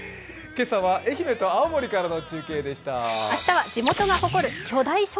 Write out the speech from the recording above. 今朝は愛媛と青森からの中継でした。